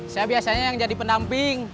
saya biasanya yang jadi pendamping